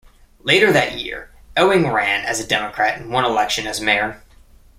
Later that year Ewing ran as a Democrat and won election as mayor.